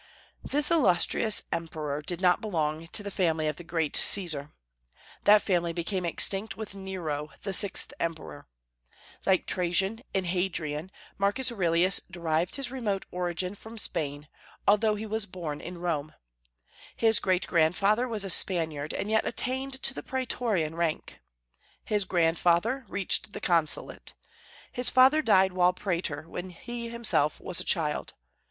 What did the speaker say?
This illustrious emperor did not belong to the family of the great Caesar. That family became extinct with Nero, the sixth emperor. Like Trajan and Hadrian, Marcus Aurelius derived his remote origin from Spain, although he was born in Rome. His great grandfather was a Spaniard, and yet attained the praetorian rank. His grandfather reached the consulate. His father died while praetor, and when he himself was a child.